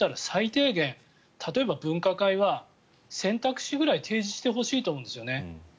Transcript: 最低限例えば分科会は選択肢ぐらい提示してほしいと思うんですよね。